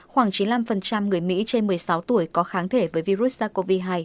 khoảng chín mươi năm người mỹ trên một mươi sáu tuổi có kháng thể với virus sars cov hai